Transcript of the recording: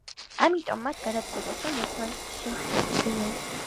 ამიტომ მათ გადაწყვიტეს რომ ერთმანეთს შეხვდნენ.